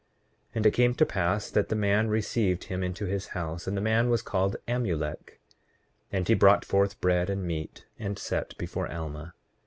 8:21 And it came to pass that the man received him into his house; and the man was called Amulek; and he brought forth bread and meat and set before Alma.